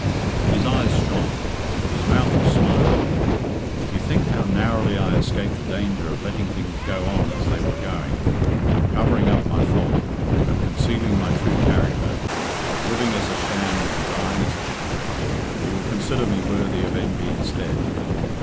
His eyes shone, his mouth was smiling. "If you think how narrowly I escaped the danger of letting things go on as they were going, of covering up my fault, of concealing my true character, of living as a sham and dying as a hypocrite, you will consider me worthy of envy instead.